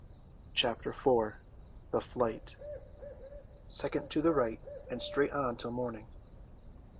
Chapter IV. THE FLIGHT "Second to the right, and straight on till morning."